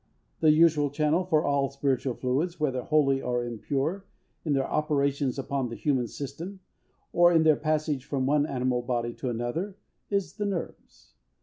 The usual channel for all spiritual fluids, whether holy or impure, in their operations upon the human system, or in their passage from one animal body to another, is the nerves.